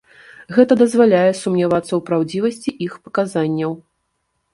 Гэта дазваляе сумнявацца ў праўдзівасці іх паказанняў.